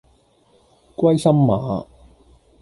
歸心馬